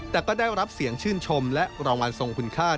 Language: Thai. แต่ก็ได้รับเสียงชื่นชมและรางวัลทรงคุณค่า